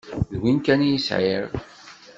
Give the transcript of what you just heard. D win kan i sεiɣ.